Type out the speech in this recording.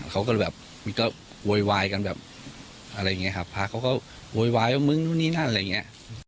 มันก็เววายกันแบบพาเขาก็เววายว่ามึงนู่นนี่นั่นอะไรอย่างนี้